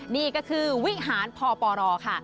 นี่ก็คือวิหารพปรค่ะ